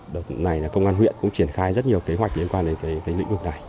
đợt này là công an huyện cũng triển khai rất nhiều kế hoạch liên quan đến lĩnh vực này